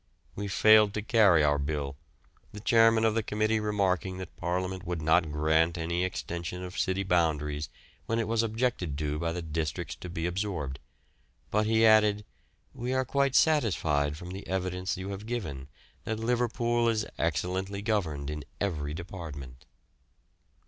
We failed to carry our bill, the chairman of the committee remarking that Parliament would not grant any extension of city boundaries when it was objected to by the districts to be absorbed; but he added, "We are quite satisfied from the evidence you have given that Liverpool is excellently governed in every department."